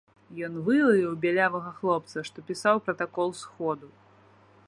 Ён вылаяў бялявага хлопца, што пісаў пратакол сходу.